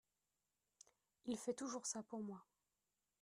Il fait toujours ça pour moi.